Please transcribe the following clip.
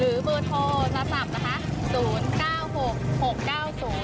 หรือว่าหรือมือโทรสัตว์นะคะ๐๙๖๖๙๐๓๕๔๕